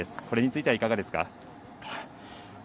これについてはいかがですか。